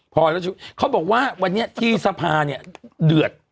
พอแล้วเขาบอกว่าวันนี้ที่สภาเนี่ยเดือด